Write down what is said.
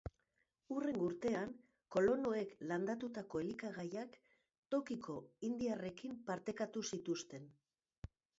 Hurrengo urtean, kolonoek landatutako elikagaiak tokiko indiarrekin partekatu zituzten.